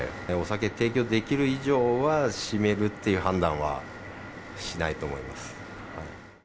お酒提供できる以上は閉めるっていう判断はしないと思います。